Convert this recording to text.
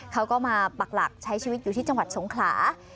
เขาก็มาปักหลักใช้ชีวิตอยู่ที่จังหวัดสงขลา